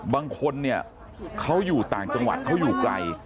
บางคนเนี่ยเขาอยู่ต่างจังหวัดเขาอยู่ไกล